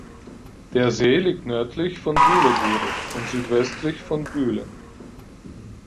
Der See liegt nördlich von Byhleguhre und südwestlich von Byhlen.